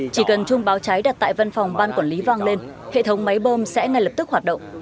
chỉ cần chung báo cháy đặt tại văn phòng ban quản lý vang lên hệ thống máy bơm sẽ ngay lập tức hoạt động